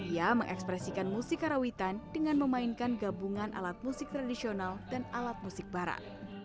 ia mengekspresikan musik karawitan dengan memainkan gabungan alat musik tradisional dan alat musik barat